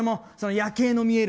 夜景の見える